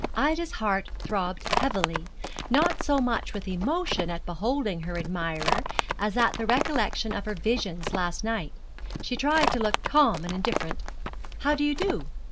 Ida's heart throbbed heavily, not so much with emotion at beholding her admirer as at the recollection of her visions last night. She tried to look calm and indifferent. 'How do you do?'